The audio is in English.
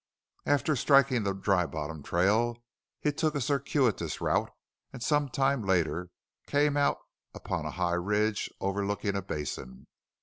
After striking the Dry Bottom trail he took a circuitous route and some time later came out upon a high ridge overlooking a basin.